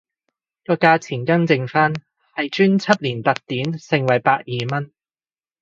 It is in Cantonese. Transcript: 個價錢更正返係專輯連特典盛惠百二蚊